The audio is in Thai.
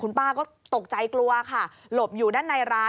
ป้าก็ตกใจกลัวค่ะหลบอยู่ด้านในร้าน